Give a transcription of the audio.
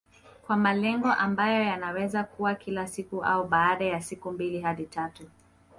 Kwa malengo ambayo yanaweza kuwa kila siku au baada ya siku mbili hadi tatu